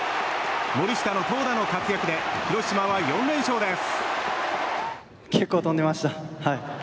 森下の投打の活躍で広島は４連勝です。